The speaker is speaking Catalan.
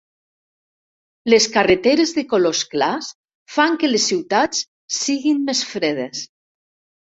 Les carreteres de colors clars fan que les ciutats siguin més fredes.